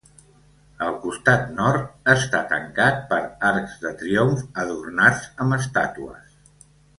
El costat nord està tancat per arcs de triomf adornats amb estàtues.